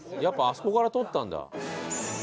やっぱあそこから取ったんだ。